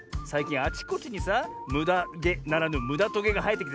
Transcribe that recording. あちこちにさむだげならぬむだトゲがはえてきてさ